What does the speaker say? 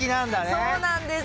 そうなんです。